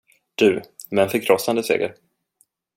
Du, med en förkrossande seger.